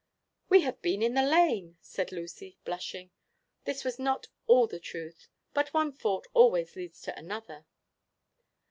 "We have been in the lane," said Lucy, blushing. This was not all the truth; but one fault always leads to another.